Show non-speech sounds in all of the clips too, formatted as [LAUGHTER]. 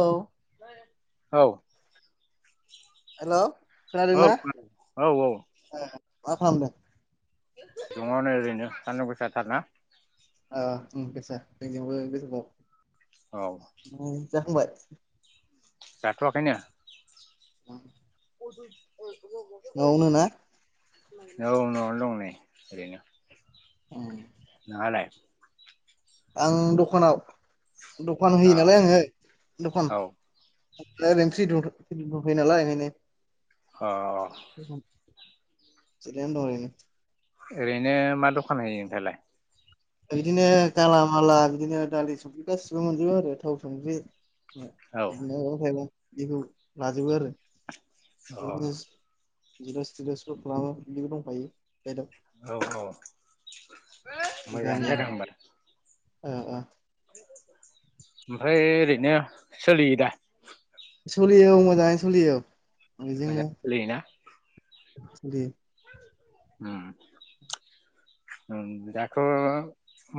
औ औ हेल' खोनादों औ ना औ औ ओ मा खालामदों? दङ नै ओरैनो सान्दुं गोसा थार ना जोंनियावबो गोसा औ थार उम जाखांबाय जाथ'आखैनो [INAUDIBLE] [INAUDIBLE] न'वावनो ना? औ न'आवनो दं नै। औ नोंहालाय आं दखानाव दखान अ होयो नालाय आङो दखान औ दा ओरैनो फ्रि दंथयो नालाय ओंखायनो अ [UNINTELLIGIBLE] ओरैनो मा दखान होयो नोंथाङालाय बिदिनो गाला माला बिदिनो दालि, संख्रि गासिबो मोनजोबो आरो थाव, संख्रि माबा औ बिदिनो उफाइ गैया बेखौ लाजोबो आरो अ बिदिनो जिरस थिरसबो खालामो बिदिबो दंखायो बायदआव औ औ मोजाङानो गामियाव जादों होनबा ओ ओ ओमफ्राय ओरैनो सोलियो दा? सोलि औ मोजाङै सोलियो। मोजाङै सोलियोना। दे उम उम दाथ'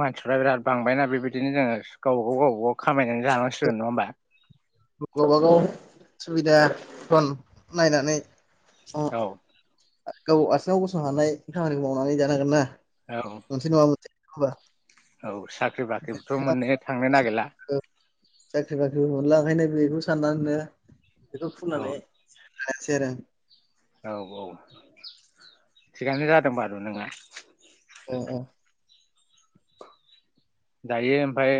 मानसिफ्रा बिराद बांबायना बेबायदिनो जोङो गावबाागाव गावबागाव खामायनानै जानांसिगोन नङा होमबा गावबागाव सुबिदाथन नायनानै औ आ गाव आथिङाव गसंनो हानाय खामानिखौ मावनानै जानो हागोन ना औ मोनसे नङा मोनसे हाबा औ साख्रि बाख्रिबोथ' मोननो थांनो नागिरला साख्रि बाख्रिबो मोनला ओंखायनो बेखौ साननानैनो बेखौ औ खुंनानै [UNINTELLIGIBLE] औ औ थिगानो जादों बारु नोङा अ अ दायो ओमफाय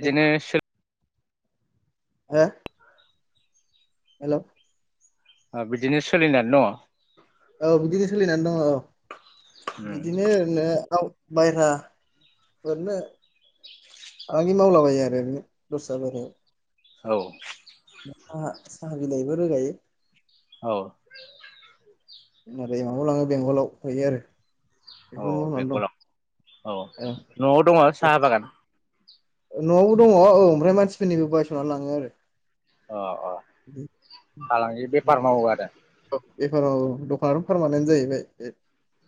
दे सोल हो हेल' आ बिदिनो सोलिनानै दङ' औ बिदिनो सोलिनानै दङ' औ उम बिदिनो ओरैनो औ बायहेरा ओरैनो फालांगि मावलाबायो आरो ओरैनो दस्रा बारियाव औ साहा -साहा बिलाइबो रोगायो। औ माबायाव लाङो बेंगलाव हैयो आरो औ बेखौ मावनानै बेंगलाव औ दं न'आव दङ'ना औ साहा बागान न'आवबो दङ' औ ओमफ्राय मानसिफोरनिबो बायस'नानै लाङो आरो अ' अ' फालांगि बेफार मावो आरो बेफोर औ दखानानो' पारमानेन्ट जाहैबाय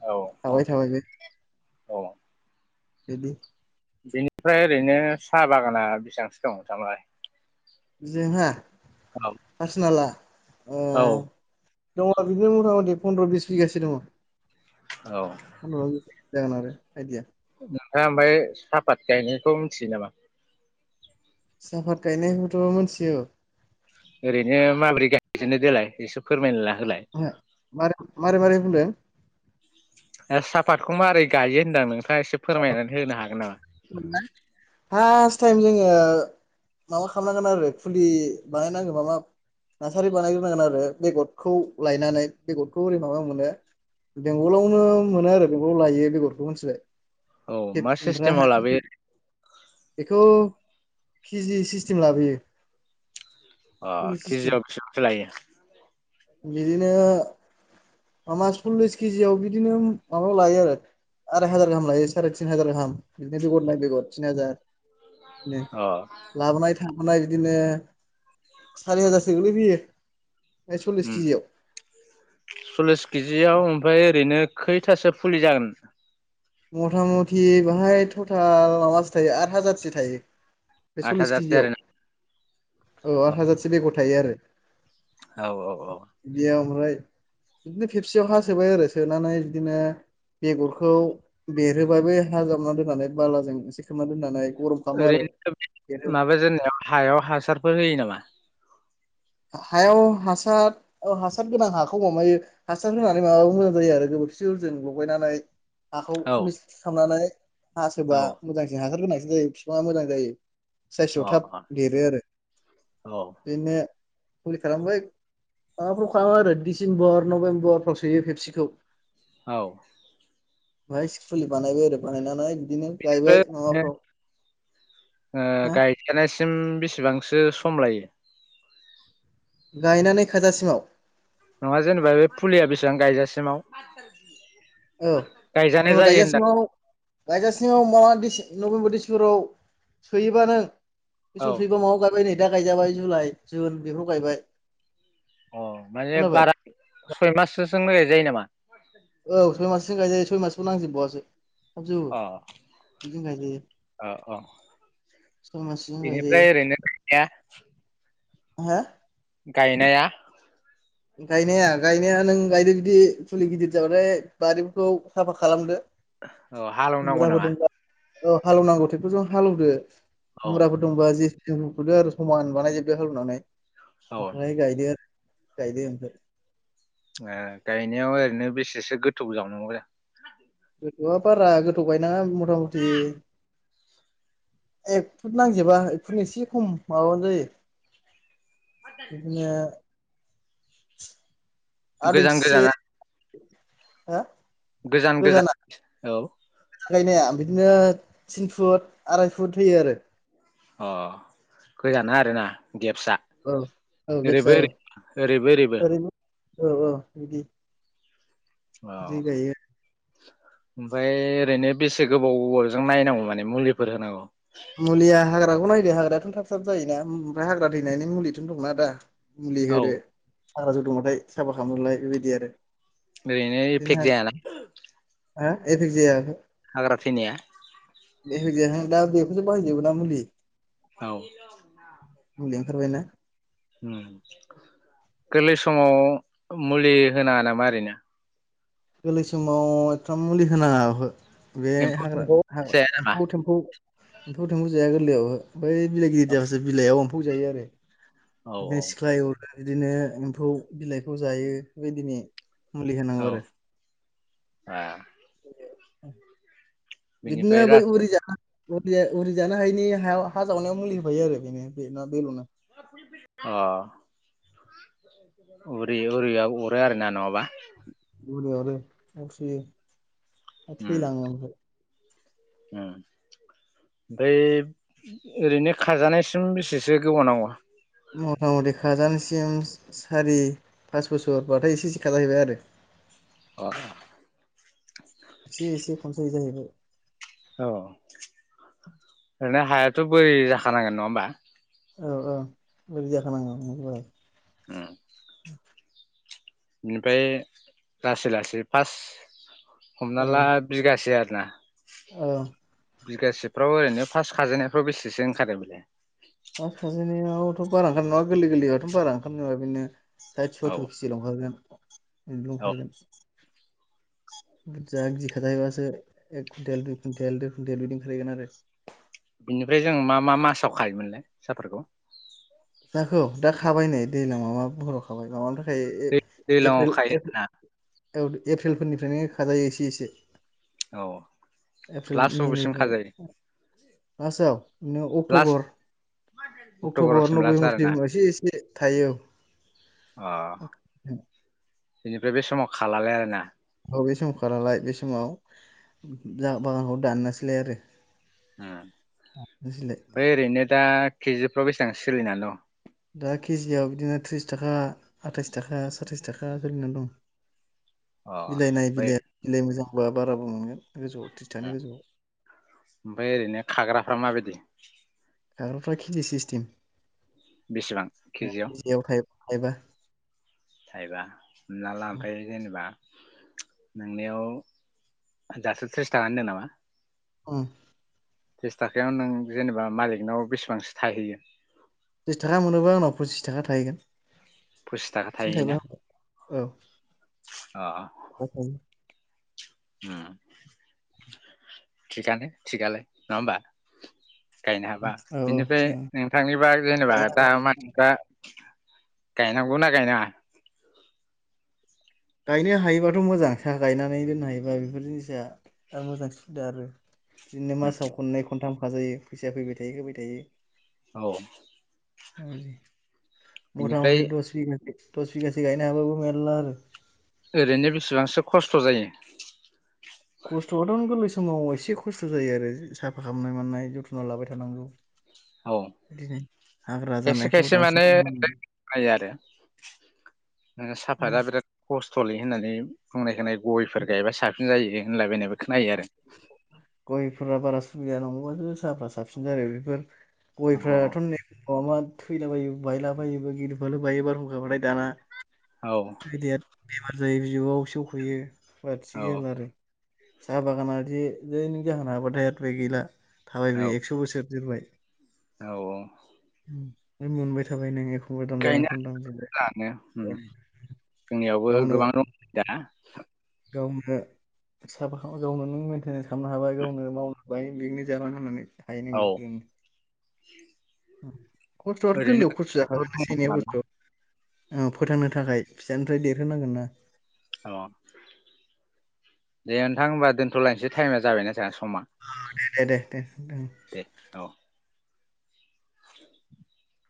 औ थाबाय थाबाय नो औ [UNINTELLIGIBLE] बिनिफ्राय ओरैनो साहा बागाना बेसांसो दं [UNINTELLIGIBLE] लाय? जोंहा पारसनेल‌आ औ दङ' बिदिनो मथा मथि फन्द्र' बिस बिगासो दङ' औ [UNINTELLIGIBLE] जागोन आरो। आइदिया नोंथाङा ओमफाय सापात गायनायखौ मिथियो नामा? साफात गायनायखौथ' मोनथियो। ओरैनो माब्रोय गायजेननो देलाय एसे फोरमायना ला [UNINTELLIGIBLE] मारै मारै बुंदों? ओ साफातखौ मारै गायो होनदां नों थांआ एसे फोरमायनानै होनो हागोन नामा थम जोङो माबा खालामनांगोन आरो फुलि बानायनांगौ बालर नार्सारि बानायग्रोनांगोन आरो बेगदखौ लायनानै बेगदखौ ओरै माबायाव मोनो बेंगलावनो मोनो आरो बेंगलाव लायो बेगरखौ मोनथिबाय औ मा [UNINTELLIGIBLE] सिस्टेमाव ओमफ्राहा लाबोयो बेखौ खिजि सिस्टेम लाबोयो । अ खिजियााव बेसेबांसो लायो? बिदिनो माबा सल्लिस केजियाव बिदिनो माबा लायो आराय हाजार गाहाम लायो । सारि थिन हाजार गाहाम बिदिनो बेगर माय बेगर थिन हाजार बिनो अ लाबोनाय थां मोना बिदिनो सारि हाजारसोनिल' फैयो ओम सल्लिस केजियाव ओमफ्राय ओरैनो खैथासो फुलि जागोन? म'था मथि बेवहाय टटेल माबासो थायो आट हाजारसो थायो । बे आठ सल्लिस हाजारसो केजियाव आरोना औ आठ हाजारसो बेगर थायो आरो। औ औ औ। बेयाव ओमफ्राय बिदिनो खेबसेयाव हा सोबाय आरो सोनानै बिदिनो बेगरखौ देरहोबाबो हा जावना दोननानै बालाजों एसे खोमना दोननानै गरम खालामो आरो ओरैनो बेरो [UNINTELLIGIBLE] माबाजेननायाव हायाव हासारफोर होयो नामा? हायाव हासार औ हासार गोनां हाखौ माबायो हासार होनानै माबो मोजां जायो आरो। [UNINTELLIGIBLE] सियावजों लगायनानै हाखौ औ मिस खालामनानै औ हासोबा अ मोजांसिन हासार गोनांसिन जायो बिफाङा मोजां जायो। साइसआव अ औ थाब देरो आरो औ बिदिनो फुलि खालामबाय माबाफ्राव खाङो आरो डिसेम्बर नभेम्बरफ्राव सोयो फेबसिखौ। औ। ओमाय फुलि बानायबाय आरो बानायनानै बिदिनो गायबाय ओमफ्राय ओरैनो माबाफ्राव ओ हो गायजेनायसिम बेसेबांसो सम लायो? गायनानै खाजासिमाव? नङा जेनेबा बे फुलिया बेसेबां गायजासिमाव? गायजानाय जायो होनदों। गायगासिङाव मा दिस नभेम्बर दिसिमबराव सोयोबानो बे औ समाव सोयोबा मायाव गायबाय नै दा गायजाबाय जुलाइ जुन बेफोराव गायबाय। अ' माने खोनाबाय बारा सय माससोजोंनो गायजायो नामा? औ सय माससजों गायजायो सय मासखौनो नांजोबबावासो। थाब जौवो अ बिदिनो गायजायो। अ अ सय मासजों गायजायो बेनिफ्राय ओरैनो [UNINTELLIGIBLE] हा? गायनाया? गायनाया गायनाया नों गायदो बिदि फुलि गिदिर जाबाालाय बारिफोरखौ साफा खालामदो। औ हालेवनांगौ मुराफोर नामा? दंबा औ हालेवनांगौ टेक्टर जों हालेवदो औ मुराफोर दंबा जि जोंखुदो आरो समान बानायजोबदो हालेवनानै औ ओ ओमफ्राय गायदो आरो। गायदो ओमफाय। ए गायनायाव ओरैनो बेसेसो गोथौ जावनांगौ? गोथौआ बारा गोथौ गायनाङा मथा मथि एक फुट नांजोबा एक फुट एसे खम माबाबानो जायो । बिदिनो आद गोजान इसेसे गोजाना हा? गोजान गोजान औ। गायनाया बिदिनो थिन फुट आराय फुट होयो आरो। अ गोजान आरो ना। गेप्सा औ औ ओरैबो गेबसा औ ओरै ओरैबो ओरैबो। ओरैनो औ औ बिदि। जि गायो। ओमफाय ओरैनो बेसे गोबाव गोबावजों नायनांगौ माने मुलिफोर होनांगौ? मुलिया हाग्राखौ नायदो हाग्रायाथ' थाब थाब जायोना ओमफ्राय हाग्रा थैनायनि मुलिथ' दंना दा। मुलि औ होदो हाग्रा जौदोंबाथाय साफा खालामनोलाय बेबायदि आरो । ओरैनो एफेक जायाना? हा एफेक्ट जाया आहो। हाग्रा थैनाया? बे होजाया थां दा बेखौसो बाहायजोबोना मुलि। औ मुलि ओंखारबाय ना? गोरलै समाव मुलि होनाङा नामा ओरैनो गोरलै समाव एथाम मुलि होनाङा बे एम्फौ हाग्रा सेम्फौ जाया नामा एम्फौ थेम्फौ एम्फौ थेम्फौ जाया गोरलैयाव बै बिलाइ गिदिरावसो बिलाइयाव एम्फौ जायो आरो औ औ बिदिनो सिख्लाय अरो बिदिनो एम्फौ बिलाइखौ जायो बे बेदिनो मुलि होनांगौ आरो। [INAUDIBLE] बिदिनो बिनिफ्राय बै लासै उरि जा उरि जानो हायिनि हायाव हा जावनायाव मुलि होफायो आरो बेनो बे ना बेल'नो अ उरि उरियाबो अरो आरो ना नङाबा बुरियावल असोयो आरो उम थैलाङो ओमफ्राय उम ओमफ्राय ओरैनो खाजानायसिम बेसेसो गोबाव नांगौ मथा मथि खाजानसिम सारि पास बोसोरबाथाय एसे एसे खाजाहैबाय आरो। [UNINTELLIGIBLE] अ एसे एसे फान्सय जाहैबाय। औ ओरैनो हायाथ' बोरि जाखानांगोन नङा होमबा? औ औ बेदि जाखानांगौ न औ [UNINTELLIGIBLE] बिनिफ्राय लासै लासै फारस हमना ला बिगासे आरो औ बिगासेफ्राव ओरैनो फार्स्ट खाजेननायफ्राव बेसेसो ओंखारो बेलाय बा फिजोनियावथ' बारा ओंखार नङा गोरलै गोरैयावथ' बारा ओंखार नङा बेनो। साय सयतुर औ केजि लओंखारगोन बिदिल' औ ओंखारगोन बुरजा जि खाथायाहैबासो एक कुन्टेल दुइ कुइन्टेल देर कुइन्टेल दुइ बिदि ओंखारहैगोन आरो। बिनिफ्राय जों मा मा मासाव खायोमोनलाय साहाफोरखौ ‌ नाखौ दा खाबायनाय दैल माबा बर' खाबाय माबानि थाखाय दैज्लाङाव खायो आरोना औ एप्रिलफोरनिफ्रायनो खाजायो एसे एसे औ एप्रिल लास्ट बबेसिम मेनिफ्राय खाजायो मासयाव बिदिनो लास्ट अक्टबर अक्ट'बरावसिम लास्ट आरोना नभेमबरबासो एसे थायो। अ बेनिफ्राय बे समाव खालालाय आरोना। औ बे समाव खालालाय बे समाव बागानखौ दाननोसैलाय आरो ओ नोंसोरलाय बै ओरैनो दा केजिफ्राव बेसेबां सोलिनानै दं। दा केजियाव बिदिनो त्रिस थाखा आथाइस थाखा सातस थाखा सोलिनानै दं। अ बिलाइ नाय ओमफ्राय बिलाइ बिलाइ मोजांबा बाराबो मोनगोन गोजौआव थ्रिस थाखानि गोजौआव ओमफ्राय ओरैनो खाग्राफ्रा माबायदि। [INAUDIBLE] खिथि सिसतिम बेसेबां केजियाव? थाइबा। थाइबा हमना ला ओमफ्राय जेनेबा नोंनियाव दासो थ्रिस थाखा होनदों नामा? उम तस थाखायाव नों जेनेबा मालिकनाव बेसेबांसो थाहैगोन? थ्यिस थाखा मोनोबा आंनाव फसिस थाखा थाहैगोन। फसिस थाखा थाहैयोना खिन्थायबा औ आ औ उम, थिगानो थिगालाय नङा होनबा? गायनो हाबा औ बिनिफ्राय थिगानो नोंथांनिबा जेनोबा गायनो दा मानसिफ्रा गायनांगौना गायनाङा? गायनो हायोबाथ' मोजां साहा गायनानै दोननो हायोबा बेफोर जिनिसा मोजां सुबिदा आरो। बिदिनो उम मासाव खननै खनथाम खाजायो फैसाया फैबाय थायो फैबाय थायो। औ। [UNINTELLIGIBLE] मटा बिनिफ्राय मटि दस बिगासो दस बिगासो गायनो हाबाबो मेरला आरो। ओरैनो बिसेबांसो खस्थ' जायो। कस्थयाथ' [UNINTELLIGIBLE] समाव एसे खस्थ' जायो आरो साफा खालामनाय मनाय जोथ्न' लाबाय थानांगौ। औ दिनो खायसे खायसे माने [UNINTELLIGIBLE] खोनायो आरो। ओ उम। साफाता बिराद खस्थ'लै होननानै बुंनाय खोनायो गयफोर गायबा साबसिन जायो होनलायबायनायबो खोनायो आरो। गयफोरा बारा सुबिदा नङबाथो साहाफ्रा साबसिन जायो बेफोर औ गयफ्राथ' ने - ह मा थैलाबायो बायलाबायोबो गिदबालो बायो बारहुंखााबालथाय दाना औ। बेमारर जायो बिबु'आव सेवखयो औ बथिगोन आरो। साहा बागाना जै नों जाहोनो हाबाथाय गैला थाबाय औ बे एकस' बोसोर जोरबाय। औ औ। मोनबाय थाबाय नों एखमबा दामजागोन गायनो एखमबा दामजोब लानो उम जोंनियावबो गोबां [UNINTELLIGIBLE] दाना [UNINTELLIGIBLE] साफा गावनो नों मेनटेनेन्स खालामनो हाबाय गावनो मावनो हाबाय बिदिनो जाना औ लोंनानै [UNINTELLIGIBLE] खस्थ'आथ' ओरैनो गोरलैयाव खस्थ' जाखागोन दङ एसे खोमा एनैयाव ना खस्थ' औ फोथांनो थाखाय फिसानिफ्राय देरहोनांगोन ना। अ दे नोंथां होनबा दोन्थ'लायनोसै टाइमा जाबायना सार? [UNINTELLIGIBLE] दे दे दे दे दे [INAUDIBLE]